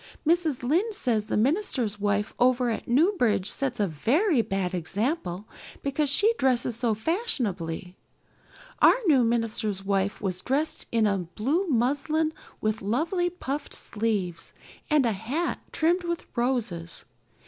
Mrs. Lynde says the minister's wife over at Newbridge sets a very bad example because she dresses so fashionably. Our new minister's wife was dressed in blue muslin with lovely puffed sleeves and a hat trimmed with roses.